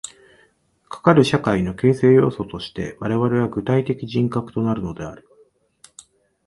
かかる社会の形成要素として我々は具体的人格となるのである。